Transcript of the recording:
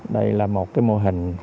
đây là một mô hình